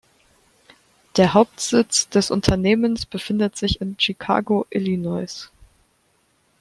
Der Hauptsitz des Unternehmens befindet sich in Chicago, Illinois.